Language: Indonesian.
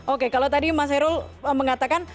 oke kalau tadi mas herul mengatakan